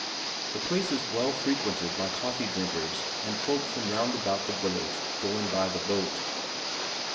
The place is well frequented by coffee drinkers and folk from round about the village going by the boat.